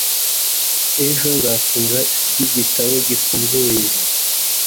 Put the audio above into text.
Ejo nzatora iki gitabo gifunguye